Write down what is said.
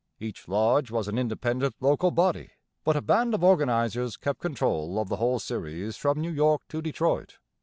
Each 'Lodge,' was an independent local body, but a band of organizers kept control of the whole series from New York to Detroit.